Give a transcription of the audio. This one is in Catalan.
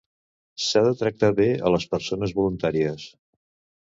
S'ha de tractar bé a les persones voluntàries.